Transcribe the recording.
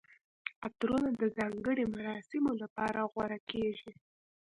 عطرونه د ځانګړي مراسمو لپاره غوره کیږي.